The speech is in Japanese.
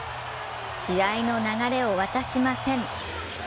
試合の流れを渡しません。